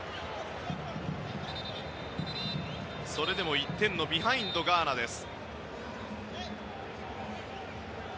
それでも１点ビハインドのガーナです。